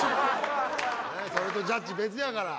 それとジャッジ別やから。